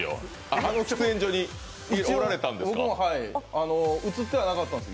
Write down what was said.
あの喫煙所におられたんですか。